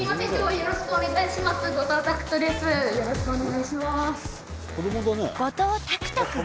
よろしくお願いします。